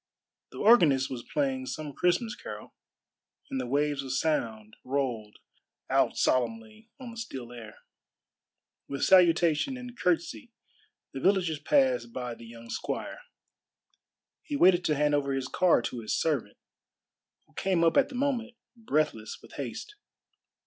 The organist was playing some Christmas carol, and the waves of sound rolled out solemnly on the still air. With salutation and curtsey the villagers passed by the young squire. He waited to hand over his car to his servant, who came up at the moment, breathless with haste.